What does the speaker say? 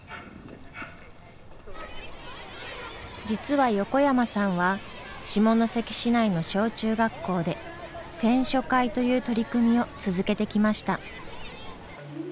実は横山さんは下関市内の小中学校で選書会という取り組みを続けてきました。